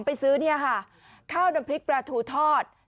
ไปซื้อข้าวน้ำพริกปลาทูทอด